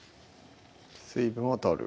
水分を取る